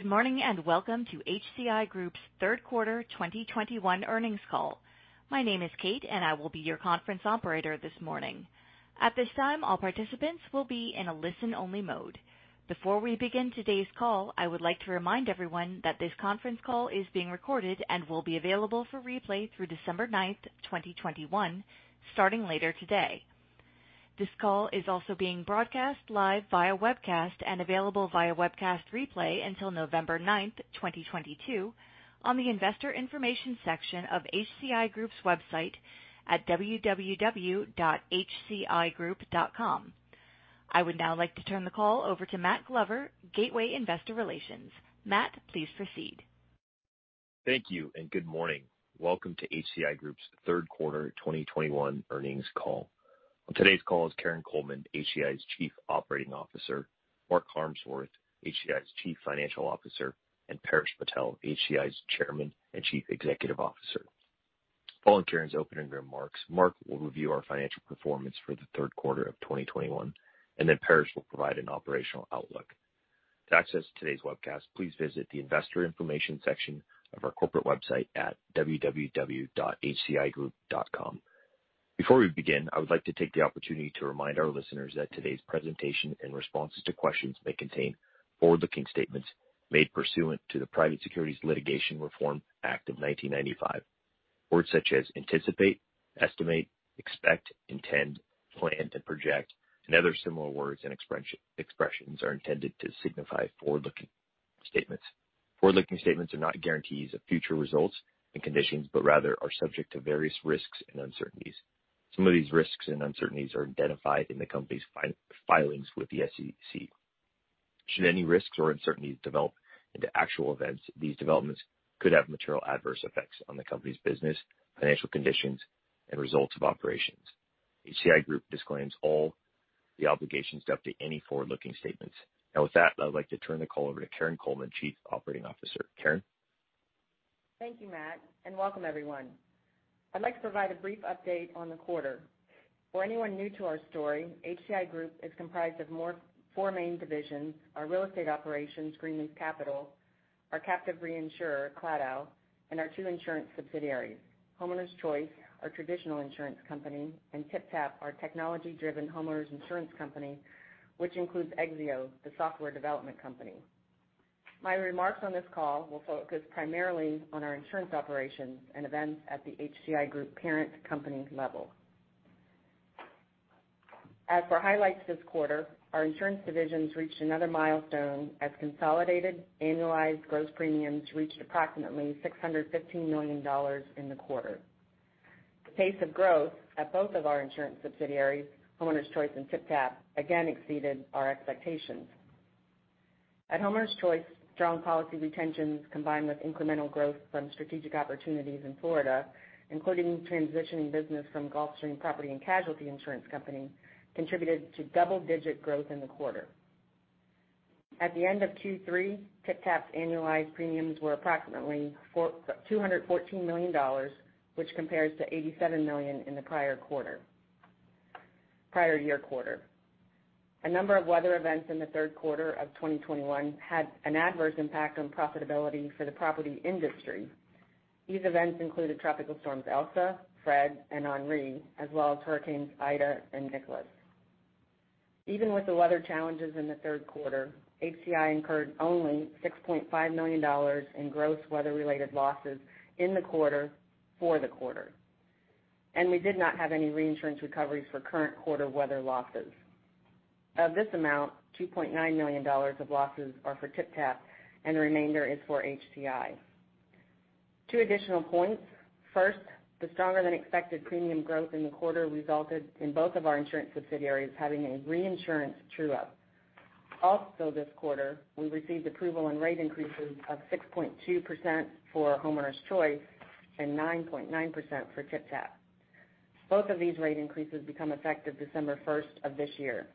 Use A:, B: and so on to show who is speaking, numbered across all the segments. A: Good morning, and welcome to HCI Group's third quarter 2021 earnings call. My name is Kate, and I will be your conference operator this morning. At this time, all participants will be in a listen-only mode. Before we begin today's call, I would like to remind everyone that this conference call is being recorded and will be available for replay through December 9th, 2021, starting later today. This call is also being broadcast live via webcast and available via webcast replay until November 9th, 2022, on the Investor Information section of HCI Group's website at www.hcigroup.com. I would now like to turn the call over to Matt Glover, Gateway Investor Relations. Matt, please proceed.
B: Thank you, and good morning. Welcome to HCI Group's third quarter 2021 earnings call. On today's call is Karin Coleman, HCI's Chief Operating Officer, Mark Harmsworth, HCI's Chief Financial Officer, and Paresh Patel, HCI's Chairman and Chief Executive Officer. Following Karin's opening remarks, Mark will review our financial performance for the third quarter of 2021, and then Paresh will provide an operational outlook. To access today's webcast, please visit the Investor Information section of our corporate website at www.hcigroup.com. Before we begin, I would like to take the opportunity to remind our listeners that today's presentation and responses to questions may contain forward-looking statements made pursuant to the Private Securities Litigation Reform Act of 1995. Words such as anticipate, estimate, expect, intend, plan, and project, and other similar words and expressions are intended to signify forward-looking statements. Forward-looking statements are not guarantees of future results and conditions, but rather are subject to various risks and uncertainties. Some of these risks and uncertainties are identified in the company's filings with the SEC. Should any risks or uncertainties develop into actual events, these developments could have material adverse effects on the company's business, financial conditions, and results of operations. HCI Group disclaims all the obligations to update any forward-looking statements. Now with that, I would like to turn the call over to Karin Coleman, Chief Operating Officer. Karin?
C: Thank you, Matt, and welcome everyone. I'd like to provide a brief update on the quarter. For anyone new to our story, HCI Group is comprised of four main divisions, our real estate operations, Greenleaf Capital, our captive reinsurer, Claddaugh, and our two insurance subsidiaries, Homeowners Choice, our traditional insurance company, and TypTap, our technology-driven homeowners insurance company, which includes Exzeo, the software development company. My remarks on this call will focus primarily on our insurance operations and events at the HCI Group parent company level. As for highlights this quarter, our insurance divisions reached another milestone as consolidated annualized gross premiums reached approximately $615 million in the quarter. The pace of growth at both of our insurance subsidiaries, Homeowners Choice and TypTap, again exceeded our expectations. At Homeowners Choice, strong policy retentions combined with incremental growth from strategic opportunities in Florida, including transitioning business from Gulfstream Property and Casualty Insurance Company, contributed to double-digit growth in the quarter. At the end of Q3, TypTap's annualized premiums were approximately $214 million, which compares to $87 million in the prior year quarter. A number of weather events in the third quarter of 2021 had an adverse impact on profitability for the property industry. These events included tropical storms Elsa, Fred, and Henri, as well as hurricanes Ida and Nicholas. Even with the weather challenges in the third quarter, HCI incurred only $6.5 million in gross weather-related losses in the quarter for the quarter. We did not have any reinsurance recoveries for current quarter weather losses. Of this amount, $2.9 million of losses are for TypTap and the remainder is for HCI. Two additional points. First, the stronger-than-expected premium growth in the quarter resulted in both of our insurance subsidiaries having a reinsurance true-up. Also, this quarter, we received approval on rate increases of 6.2% for Homeowners Choice and 9.9% for TypTap. Both of these rate increases become effective December 1st of this year.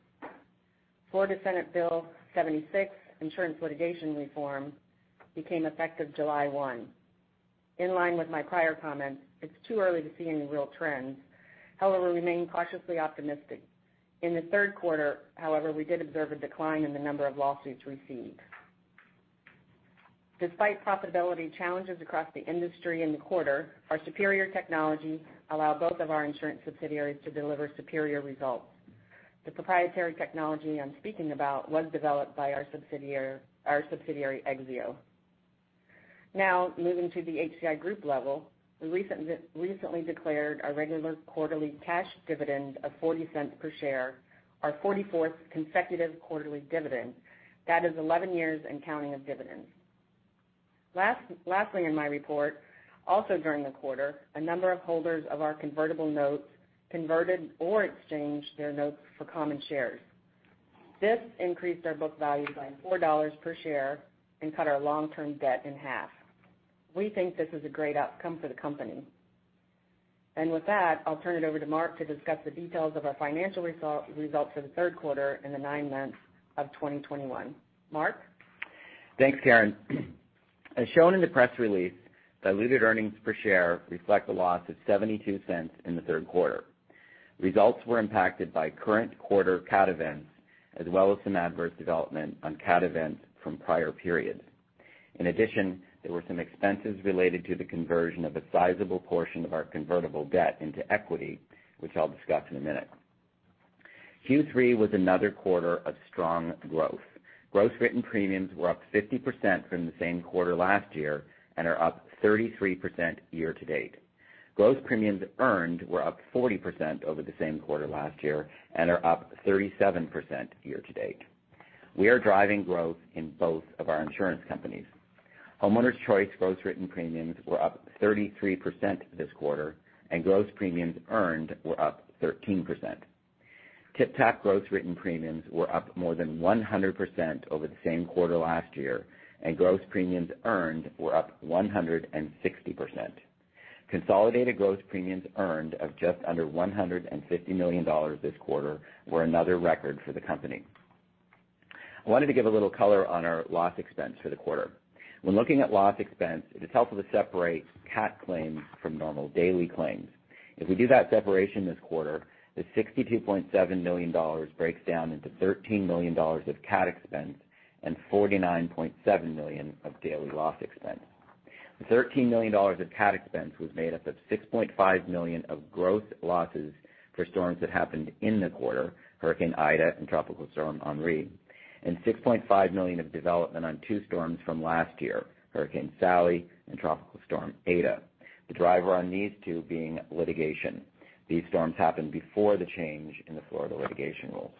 C: Florida Senate Bill 76, insurance litigation reform, became effective July 1. In line with my prior comments, it's too early to see any real trends. We remain cautiously optimistic. In the third quarter, however, we did observe a decline in the number of lawsuits received. Despite profitability challenges across the industry in the quarter, our superior technology allowed both of our insurance subsidiaries to deliver superior results. The proprietary technology I'm speaking about was developed by our subsidiary, Exzeo. Now, moving to the HCI Group level, we recently declared our regular quarterly cash dividend of $0.40 per share, our 44th consecutive quarterly dividend. That is 11 years and counting of dividends. Lastly, in my report, also during the quarter, a number of holders of our convertible notes converted or exchanged their notes for common shares. This increased our book value by $4 per share and cut our long-term debt in half. We think this is a great outcome for the company. With that, I'll turn it over to Mark to discuss the details of our financial results for the third quarter and the nine months of 2021. Mark?
D: Thanks, Karin. As shown in the press release, diluted earnings per share reflect the loss of $0.72 in the third quarter. Results were impacted by current quarter cat events, as well as some adverse development on cat events from prior periods. In addition, there were some expenses related to the conversion of a sizable portion of our convertible debt into equity, which I'll discuss in a minute. Q3 was another quarter of strong growth. Gross written premiums were up 50% from the same quarter last year and are up 33% year-to-date. Gross premiums earned were up 40% over the same quarter last year and are up 37% year-to-date. We are driving growth in both of our insurance companies. Homeowners Choice gross written premiums were up 33% this quarter, and gross premiums earned were up 13%. TypTap gross written premiums were up more than 100% over the same quarter last year, and gross premiums earned were up 160%. Consolidated gross premiums earned of just under $150 million this quarter were another record for the company. I wanted to give a little color on our loss expense for the quarter. When looking at loss expense, it is helpful to separate cat claims from normal daily claims. If we do that separation this quarter, the $62.7 million breaks down into $13 million of cat expense and $49.7 million of daily loss expense. The $13 million of cat expense was made up of $6.5 million of growth losses for storms that happened in the quarter, Hurricane Ida and Tropical Storm Henri, and $6.5 million of development on two storms from last year, Hurricane Sally and Tropical Storm Eta. The driver on these two being litigation. These storms happened before the change in the Florida litigation rules.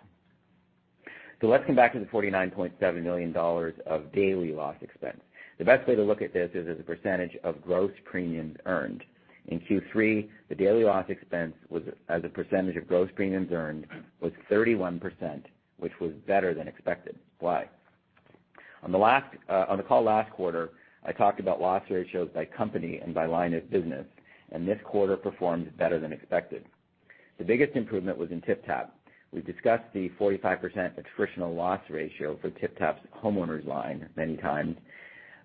D: Let's come back to the $49.7 million of daily loss expense. The best way to look at this is as a percentage of gross premiums earned. In Q3, the daily loss expense as a percentage of gross premiums earned was 31%, which was better than expected. Why? On the call last quarter, I talked about loss ratios by company and by line of business, and this quarter performed better than expected. The biggest improvement was in TypTap. We've discussed the 45% attritional loss ratio for TypTap's homeowners line many times,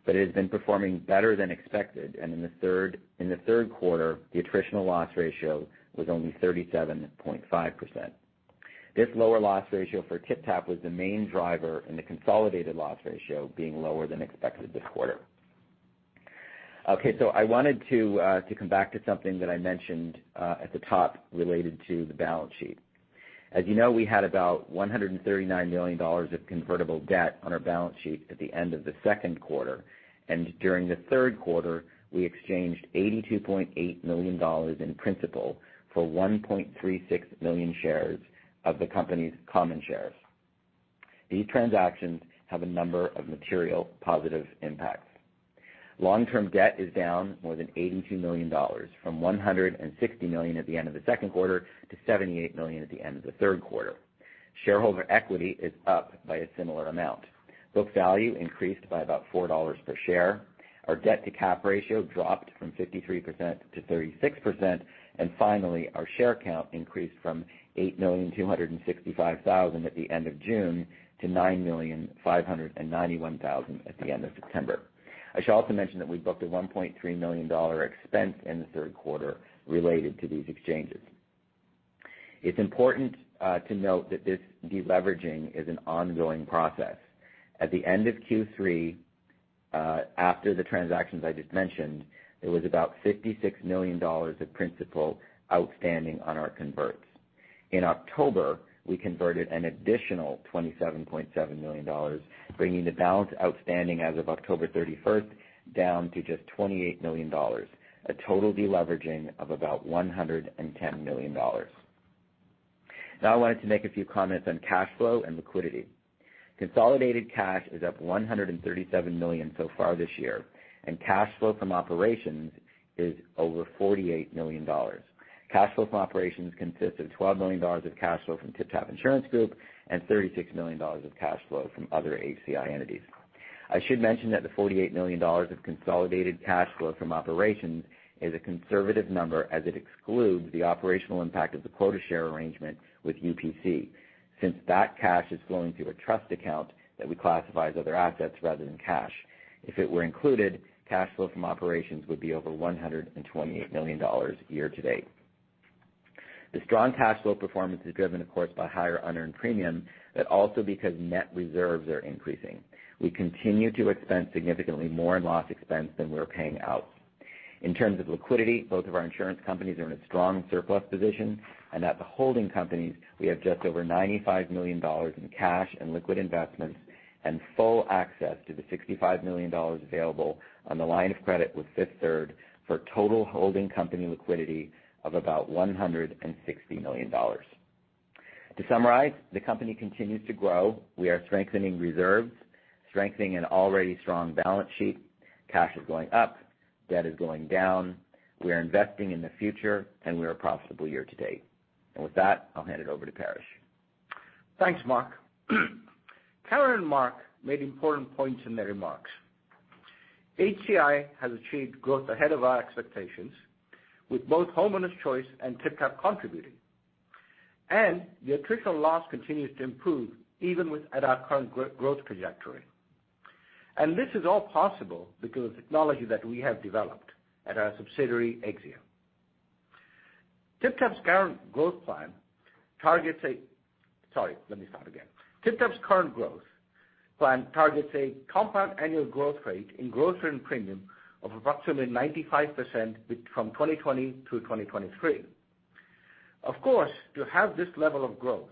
D: but it has been performing better than expected. In the third quarter, the attritional loss ratio was only 37.5%. This lower loss ratio for TypTap was the main driver in the consolidated loss ratio being lower than expected this quarter. Okay, I wanted to come back to something that I mentioned at the top related to the balance sheet. As you know, we had about $139 million of convertible debt on our balance sheet at the end of the second quarter. During the third quarter, we exchanged $82.8 million in principal for 1.36 million shares of the company's common shares. These transactions have a number of material positive impacts. Long-term debt is down more than $82 million, from $160 million at the end of the second quarter to $78 million at the end of the third quarter. Shareholder equity is up by a similar amount. Book value increased by about $4 per share. Our debt to cap ratio dropped from 53% to 36%. Finally, our share count increased from 8,265,000 at the end of June to 9,591,000 at the end of September. I should also mention that we booked a $1.3 million expense in the third quarter related to these exchanges. It's important to note that this de-leveraging is an ongoing process. At the end of Q3, after the transactions I just mentioned, there was about $56 million of principal outstanding on our converts. In October, we converted an additional $27.7 million, bringing the balance outstanding as of October 31st down to just $28 million, a total de-leveraging of about $110 million. I wanted to make a few comments on cash flow and liquidity. Consolidated cash is up $137 million so far this year, and cash flow from operations is over $48 million. Cash flow from operations consists of $12 million of cash flow from TypTap Insurance Group and $36 million of cash flow from other HCI entities. I should mention that the $48 million of consolidated cash flow from operations is a conservative number, as it excludes the operational impact of the quota share arrangement with UPC, since that cash is flowing through a trust account that we classify as other assets rather than cash. If it were included, cash flow from operations would be over $128 million year to date. The strong cash flow performance is driven, of course, by higher unearned premium, but also because net reserves are increasing. We continue to expense significantly more in loss expense than we're paying out. In terms of liquidity, both of our insurance companies are in a strong surplus position, and at the holding companies, we have just over $95 million in cash and liquid investments and full access to the $65 million available on the line of credit with Fifth Third, for total holding company liquidity of about $160 million. To summarize, the company continues to grow. We are strengthening reserves, strengthening an already strong balance sheet. Cash is going up, debt is going down. We are investing in the future, and we are profitable year to date. With that, I'll hand it over to Paresh.
E: Thanks, Mark. Karin and Mark made important points in their remarks. HCI has achieved growth ahead of our expectations with both Homeowners Choice and TypTap contributing. The attritional loss continues to improve even with at our current growth trajectory. This is all possible because of technology that we have developed at our subsidiary, Exzeo. TypTap's current growth plan targets a compound annual growth rate in gross written premium of approximately 95% from 2020 to 2023. Of course, to have this level of growth,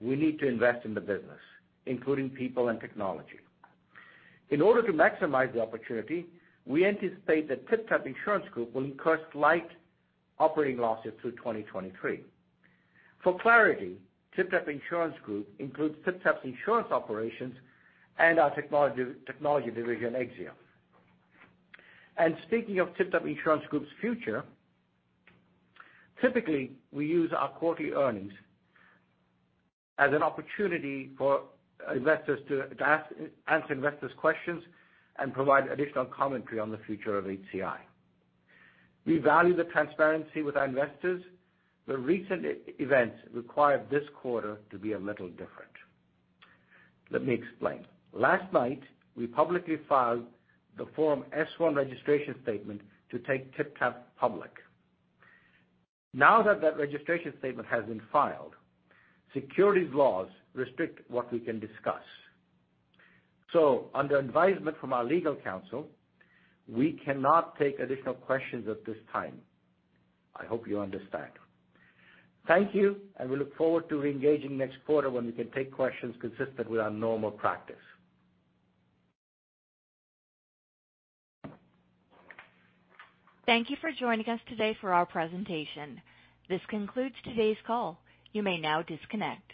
E: we need to invest in the business, including people and technology. In order to maximize the opportunity, we anticipate that TypTap Insurance Group will incur slight operating losses through 2023. For clarity, TypTap Insurance Group includes TypTap's insurance operations and our technology division, Exzeo. Speaking of TypTap Insurance Group's future, typically, we use our quarterly earnings as an opportunity to answer investors' questions and provide additional commentary on the future of HCI. We value the transparency with our investors, recent events require this quarter to be a little different. Let me explain. Last night, we publicly filed the Form S-1 registration statement to take TypTap public. Now that that registration statement has been filed, securities laws restrict what we can discuss. Under advisement from our legal counsel, we cannot take additional questions at this time. I hope you understand. Thank you, and we look forward to re-engaging next quarter when we can take questions consistent with our normal practice.
A: Thank you for joining us today for our presentation. This concludes today's call. You may now disconnect.